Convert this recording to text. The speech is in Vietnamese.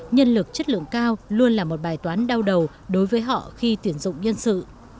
nhân lực chất lượng cao luôn là một bài toán đau đầu đối với họ khi tuyển dụng nhân sự